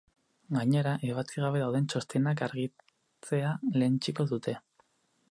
Gainera, ebatzi gabe dauden txostenak argitzea lehenetsiko dute.